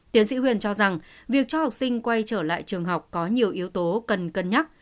tiến sĩ huyền cho rằng việc cho học sinh quay trở lại trường học có nhiều yếu tố cần cân nhắc